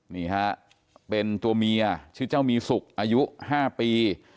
นี่ฮะเป็นตัวเมียชื่อเจ้ามีสุขอายุ๕ปี